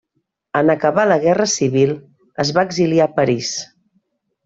En acabar la guerra civil es va exiliar a París.